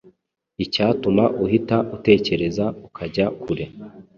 icyatuma uhita utekereza ukajya kure.